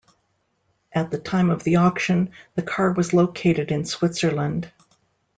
At the time of the auction, the car was located in Switzerland.